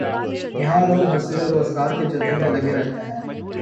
یہاں لوگ حصول روزگار کے جتن میں لگے رہتے ہیں۔